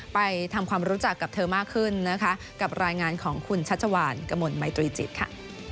ไปทำความรู้จักกับเธอมากขึ้นนะคะกับรายงานของคุณชัชวานกระมวลมัยตรีจิตค่ะ